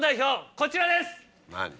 こちらです！